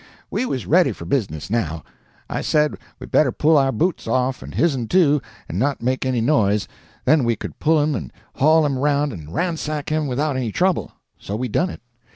"We was ready for business now. I said we better pull our boots off, and his'n too, and not make any noise, then we could pull him and haul him around and ransack him without any trouble. So we done it.